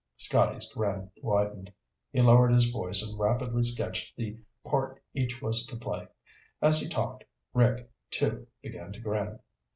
Scotty's grin widened. He lowered his voice and rapidly sketched the part each was to play. As he talked, Rick, too, began to grin.